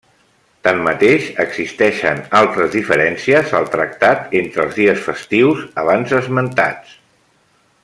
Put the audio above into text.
Tanmateix, existeixen altres diferències al tractat entre els dies festius abans esmentats.